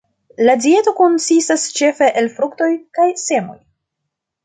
La dieto konsistas ĉefe el fruktoj kaj semoj.